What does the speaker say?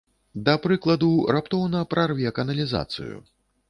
Да прыкладу, раптоўна прарве каналізацыю.